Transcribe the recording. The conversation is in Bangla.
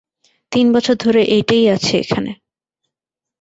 তিন বছর ধরে এটাই আছে এখানে।